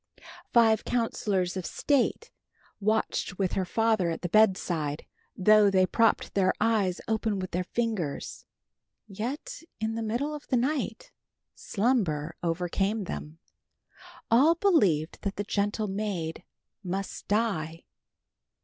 Five counselors of state watched with her father at the bedside. Though they propped their eyes open with their fingers, yet in the middle of the night slumber overcame them. All believed that the gentle maid must die.